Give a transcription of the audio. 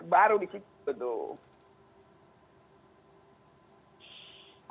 baru disitu tuh